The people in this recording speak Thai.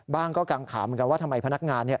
บ้างก็กลางขามกันว่าทำไมพนักงาน